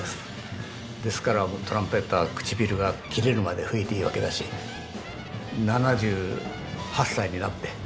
ですからトランペッターは唇が切れるまで吹いていいわけだし７８歳になってＯＫ！